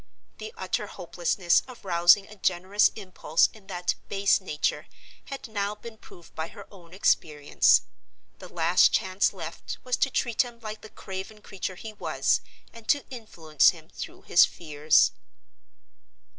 The utter hopelessness of rousing a generous impulse in that base nature had now been proved by her own experience. The last chance left was to treat him like the craven creature he was, and to influence him through his fears.